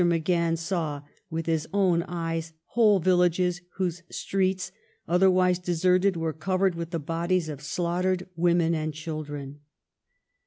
MacGahan saw with his own eyes whole villages whose streets, otherwise de serted, were covered with the bodies of slaughtered women and children.